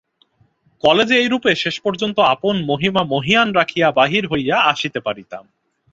কলেজে এইরূপে শেষপর্যন্ত আপন মহিমা মহীয়ান রাখিয়া বাহির হইয়া আসিতে পারিতাম।